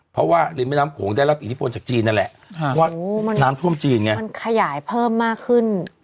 เพราะว่าริมแม่น้ำโขงได้รับอิทธิพลจากจีนนั่นแหละเพราะว่าน้ำท่วมจีนไงมันขยายเพิ่มมากขึ้น